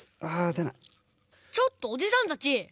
・ちょっとおじさんたち